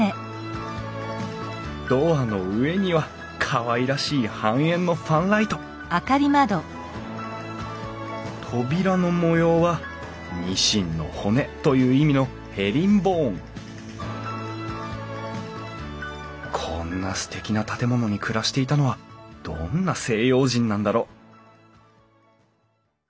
ドアの上にはかわいらしい半円のファンライト扉の模様はニシンの骨という意味のヘリンボーンこんなすてきな建物に暮らしていたのはどんな西洋人なんだろう？